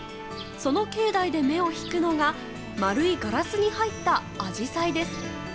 その境内で目を引くのが丸いガラスに入ったアジサイです。